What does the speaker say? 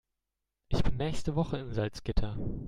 Ich bin nächste Woche in Salzgitter